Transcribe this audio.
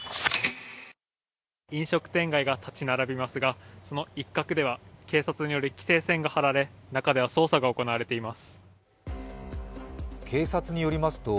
飲食店街が立ち並びますがその一角では警察により規制線がはられ中では捜査が行われています。